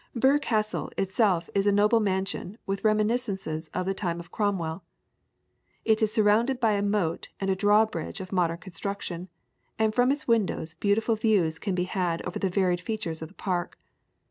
Birr Castle itself is a noble mansion with reminiscences from the time of Cromwell. It is surrounded by a moat and a drawbridge of modern construction, and from its windows beautiful views can be had over the varied features of the park.